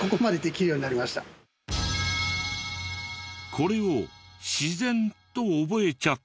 これを自然と覚えちゃった。